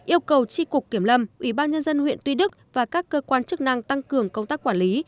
yêu cầu tri cục kiểm lâm ủy ban nhân dân huyện tuy đức và các cơ quan chức năng tăng cường công tác quản lý